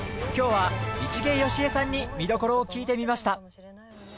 今日は市毛良枝さんに見どころを聞いてみました